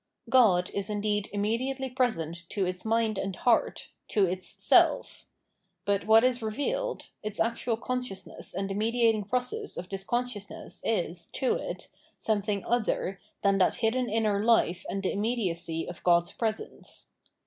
God is indeed imme diately present to its mind and heart, to its self. But what is revealed, its actual consciousness and the mediating process of this consciousness, is, to it, some thing other than that hidden inner hfe and the imme diacy of God's presence.